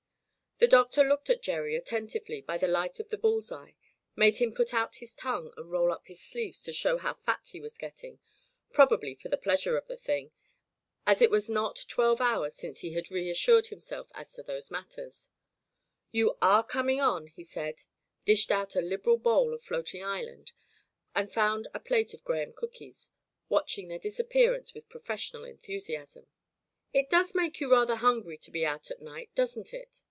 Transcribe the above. The Doctor looked at Gerry attentively by the light of the bull's eye, made him put out his tongue, and roll up his sleeves to show how fat he was getting, probably for the pleasure of the thing, as it was not twelve hours since he had reassured himself as to those matters. "You are coming on," he said, dished out a liberal bowl of floating island and found a plate of graham cookies, watching their disappearance with professional enthusiasm. [ 271 ] Digitized by LjOOQ IC Interventions "It does make you rather hungry to be out at night, doesn't it!'